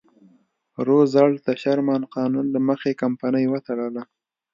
روزولټ د شرمن قانون له مخې کمپنۍ وتړله.